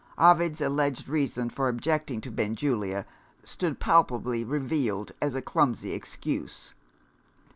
Ovid's alleged reason for objecting to Benjulia stood palpably revealed as a clumsy excuse.